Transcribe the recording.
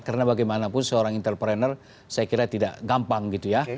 karena bagaimanapun seorang interpreter saya kira tidak gampang gitu ya